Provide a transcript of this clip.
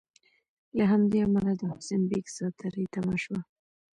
له همدې امله د حسین بېګ سا تری تم شوه.